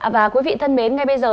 và quý vị thân mến ngay bây giờ